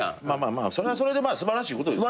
まあそれはそれで素晴らしいことですよ。